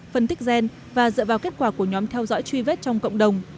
phân tích gen và dựa vào kết quả của nhóm theo dõi truy vết trong cộng đồng